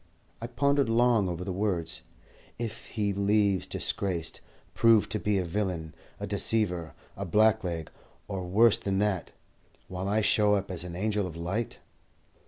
I pondered long over the words, "If he leaves disgraced, proved to be a villain, a deceiver, a blackleg, or worse than that, while I show up as an angel of light?"